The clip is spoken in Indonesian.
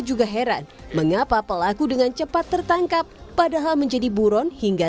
juga heran mengapa pelaku dengan cepat tertangkap padahal menjadi buron hingga